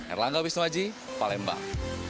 erlangga wisnuaji palembang